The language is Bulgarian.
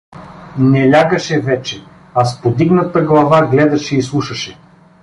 Не лягаше вече, а с подигната глава гледаше и слушаше.